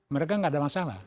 mereka nggak ada masalah